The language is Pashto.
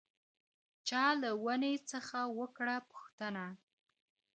چا له وني څخه وکړله پوښتنه